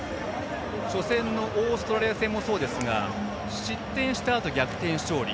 初戦のオーストラリア戦もそうですが失点したあとの逆転勝利。